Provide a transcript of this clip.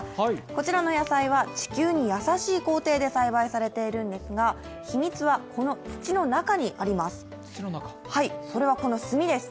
こちらの野菜は、地球に優しい工程で栽培されているんですが、秘密はこの土の中にあります。